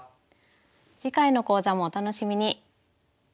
次回の講座もお楽しみに。